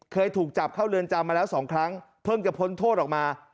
เคยถูกจับเข้าเรือนจำมาแล้ว๒ครั้งเพิ่งจะพ้นโทษออกมา